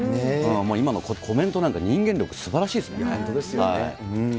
今のコメントなんか、人間力すばらしいで本当ですよね。